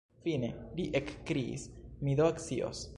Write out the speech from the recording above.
Fine, li ekkriis, mi do scios.